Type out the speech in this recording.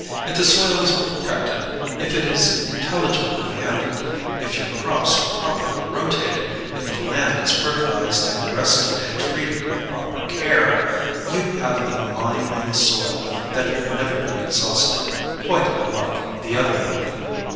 If the soil is protected, if it is intelligently handled, if your crops are properly rotated, if the land is fertilized and rested and treated with proper care, you have a mine in the soil that will never be exhausted; quite unlike the other mine.